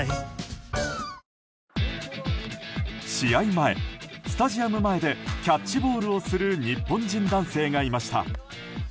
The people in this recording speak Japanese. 前、スタジアム前でキャッチボールをする日本人男性がいました。